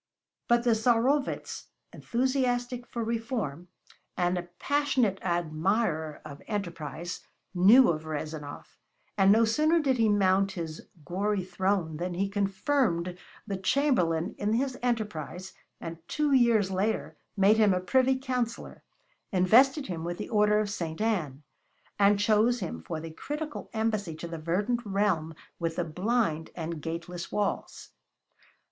But the Tsarovitz, enthusiastic for reform and a passionate admirer of enterprise, knew of Rezanov, and no sooner did he mount his gory throne than he confirmed the Chamberlain in his enterprise, and two years later made him a Privy Counsellor, invested him with the order of St. Ann, and chose him for the critical embassy to the verdant realm with the blind and gateless walls.